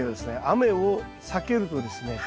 雨を避けるとですね